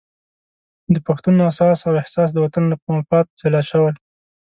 د پښتون اساس او احساس د وطن له مفاد جلا شوی.